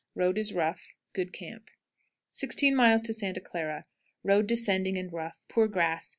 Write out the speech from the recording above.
Road is rough; good camp. 16. Santa Clara. Road descending and rough; poor grass.